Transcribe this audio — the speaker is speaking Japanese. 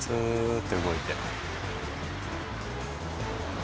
ッて動いて。